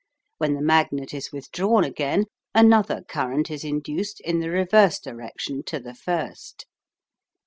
When the magnet is withdrawn again another current is induced in the reverse direction to the first.